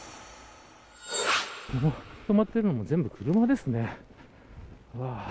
止まっているのも全部車ですね。